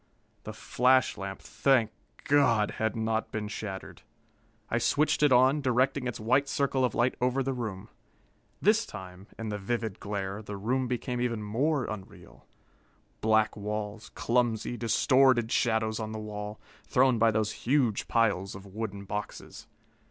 The flash lamp, thank God! had not been shattered. I switched it on, directing its white circle of light over the room. This time, in the vivid glare, the room became even more unreal. Black walls, clumsy, distorted shadows on the wall, thrown by those huge piles of wooden boxes.